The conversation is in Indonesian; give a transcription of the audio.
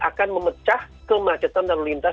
akan memecah kemacetan lalu lintas